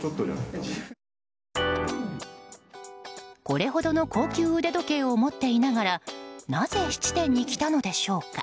これほどの高級腕時計を持っていながらなぜ質店に来たのでしょうか。